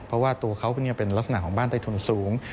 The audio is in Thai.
เพราะว่าตัวเขาเนี่ยเป็นลักษณะของบ้านใต้ทุนสูง